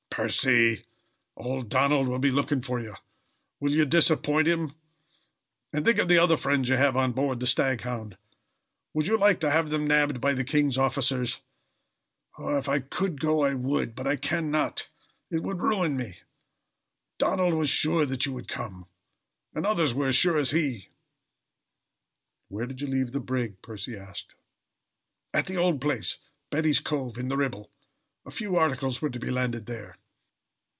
"Percy, old Donald will be looking for you. Will you disappoint him? And think of the other friends you have on board the Staghound. Would you like to have them nabbed by the king's officers? Oh! if I could go I would; but I can not. It would ruin me. Donald was sure you would come. And others were as sure as he." "Where did you leave the brig?" Percy asked. "At the old place Betty's Cove in the Ribble. A few articles were to be landed there."